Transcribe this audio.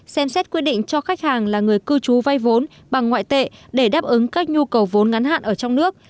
xem xét quyết định cho khách hàng là người cư trú vay vốn bằng ngoại tệ để đáp ứng các nhu cầu vốn ngắn hạn ở trong nước